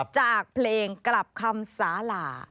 จากเพลงกลับคำสาหร่า